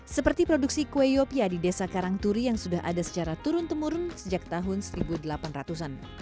seperti produksi kue yopia di desa karangturi yang sudah ada secara turun temurun sejak tahun seribu delapan ratus an